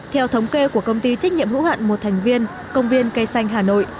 theo thống kê của công ty trách nhiệm hữu hạn một thành viên công viên cây xanh hà nội